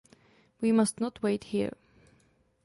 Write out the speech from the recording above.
We must not wait here.